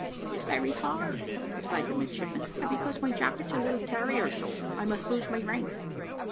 "It's very hard," replied the midshipman, "that because my jacket's a little tarry or so, I must lose my rank."